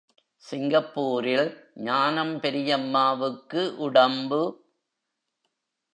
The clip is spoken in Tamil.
சிங்கப்பூரில் ஞானம் பெரியம்மாவுக்கு உடம்பு.